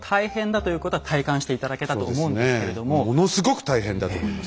ものすごく大変だと思います。